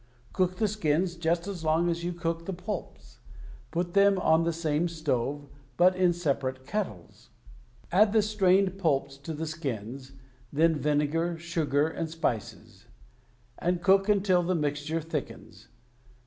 Cook the skins just as long as you cook the pulps. Put them on the same stove, but in separate kettles. Add the strained pulps to the skins, then vinegar, sugar, and spices. And cook until the mixture thickens.